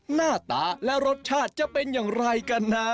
หน้าตาและรสชาติจะเป็นอย่างไรกันนะ